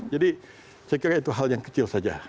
jadi saya kira itu hal yang kecil saja